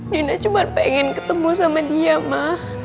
dina cuma pengen ketemu sama dia ma